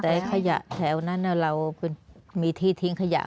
แต่ขยะแถวนั้นเรามีที่ทิ้งขยะ